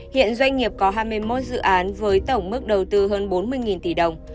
hiện doanh nghiệp có hai mươi một dự án với tổng mức đầu tư hơn bốn mươi tỷ đồng